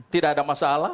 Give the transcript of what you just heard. tidak ada masalah